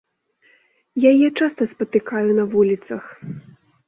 Я яе часта спатыкаю на вуліцах.